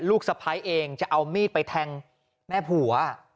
สะพ้ายเองจะเอามีดไปแทงแม่ผัว